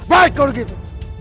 baik kau begitu